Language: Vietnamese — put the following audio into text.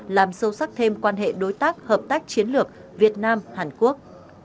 làm sâu sắc thêm quan hệ đối tác hợp tác chiến lược việt nam hàn quốc